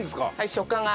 食感が。